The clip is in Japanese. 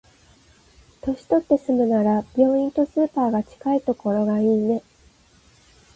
年取って住むなら、病院とスーパーが近いところがいいね。